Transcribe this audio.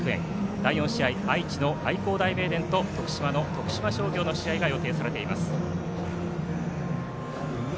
第４試合は愛知の愛工大名電と徳島の徳島商業の試合が予定されています。